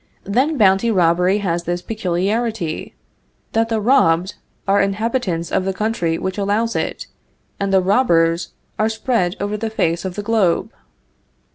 Then bounty robbery has this peculiarity, that the robbed are inhabitants of the country which allows it, and the robbers are spread over the face of the globe.